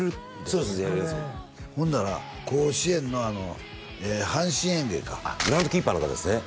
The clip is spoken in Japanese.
そうですほんなら甲子園の阪神園芸かグラウンドキーパーの方ですね